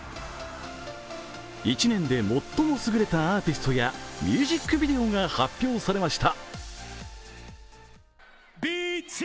１年で最も優れたアーティストやミュージックビデオが発表されました。